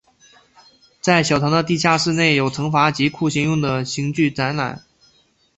在小堂的地下室内有惩罚及酷刑用的刑具展览。